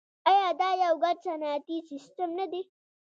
آیا دا یو ګډ صنعتي سیستم نه دی؟